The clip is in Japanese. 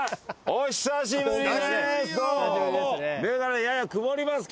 お久しぶりです。